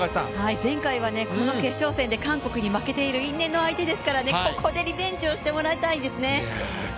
前回はこの決勝戦で韓国に負けている因縁の相手ですから、ここでリベンジをしてもらいたいですね。